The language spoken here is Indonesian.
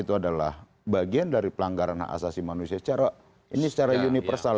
itu adalah bagian dari pelanggaran hak asasi manusia secara ini secara universal